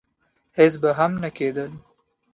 هېڅ به هم نه کېدل.